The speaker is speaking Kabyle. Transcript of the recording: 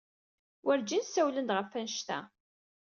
Werjin ssawlen-d ɣef wanect-a.